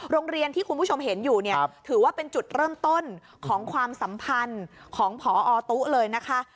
โรงเรียนที่คุณผู้ชมเห็นอยู่เนี่ยถือว่าเป็นจุดเริ่มต้นของความสัมพันธ์ของพอตู้เลยนะคะ